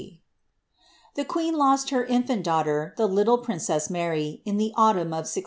The queen lost her infant daughter, the little princess Mary, in the autumn of 1607.